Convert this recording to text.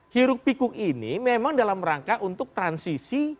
hiruk pikuk ini memang dalam rangka untuk transisi